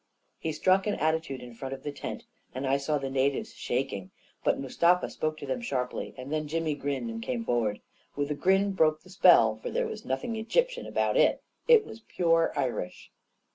He struck an attitude in front of the tent, and I saw the natives shaking; but Mustafa spoke to them sharply, and then Jimmy grinned and came forward. The grin broke the spell, for there was nothing Egyptian about it. It was pure Irish.